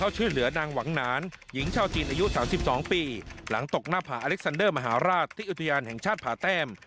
เจอร์มหาราชที่อุตยานแห่งชาติผ่าแต้ม